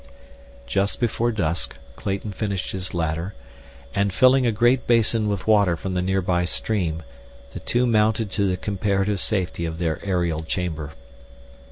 Just before dusk Clayton finished his ladder, and, filling a great basin with water from the near by stream, the two mounted to the comparative safety of their aerial chamber.